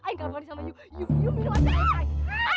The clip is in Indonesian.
i nggak parah sama you you minum aja i